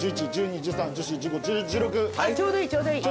ちょうどいいちょうどいい。